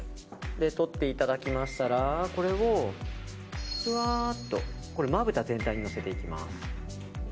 とっていただきましたらふわっとまぶた全体にのせていきます。